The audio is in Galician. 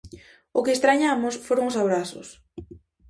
O que estrañamos foron os abrazos.